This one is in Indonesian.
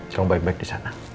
kamu baik baik disana